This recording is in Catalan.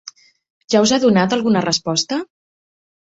Ja us ha donat alguna resposta?